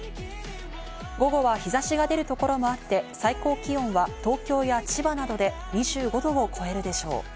午後は日差しが出るところもあって、最高気温は東京や千葉などで２５度を超えるでしょう。